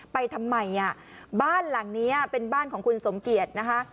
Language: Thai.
ไปทำไมอ่ะบ้านหลังนี้เป็นบ้านของคุณสมเกียจนะคะ